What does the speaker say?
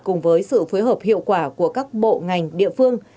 cùng với sự phối hợp hiệu quả của các bộ ngành địa phương